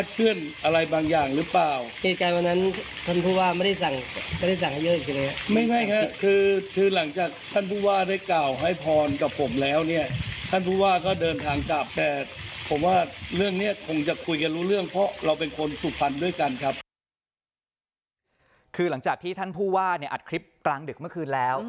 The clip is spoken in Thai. คือหลังจากที่ท่านผู้ว่าอัดคลิปกลางดึกเมื่อคืนแล้ว